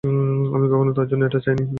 আমি কখনোই তার জন্য এটা চাইনি।